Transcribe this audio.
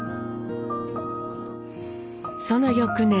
その翌年。